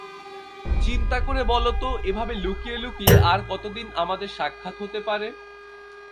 চিন্তা করে বলতো, এভাবে লুকিয়ে লুকিয়ে আর কতদিন আমাদের সাক্ষাৎ হতে পারে।